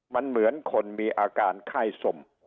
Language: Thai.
มันเหมือนคนมีอาการไข้สม